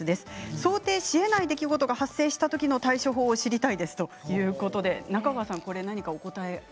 想定しえない出来事が発生したときの対処法を知りたいですということです。